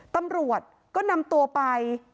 ตำรวจก็นำตัวไป